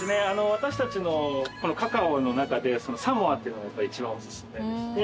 私たちのカカオの中でサモアっていうのがやっぱり一番おすすめでして。